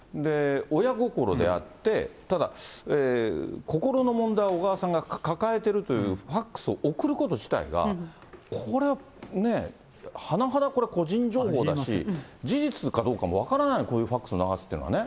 親心であって、ただ、心の問題を小川さんが抱えてるというファックスを送ること自体が、これはね、はなはだ、これ個人情報だし、事実かどうかも分からない、こういうファックスを流すっていうのはね。